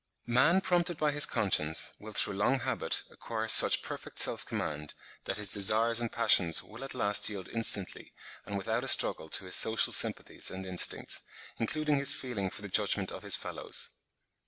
Man prompted by his conscience, will through long habit acquire such perfect self command, that his desires and passions will at last yield instantly and without a struggle to his social sympathies and instincts, including his feeling for the judgment of his fellows.